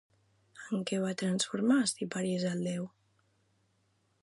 En què va transformar Ciparís el déu?